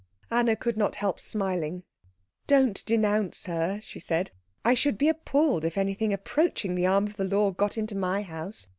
Anna could not help smiling. "Don't denounce her," she said. "I should be appalled if anything approaching the arm of the law got into my house.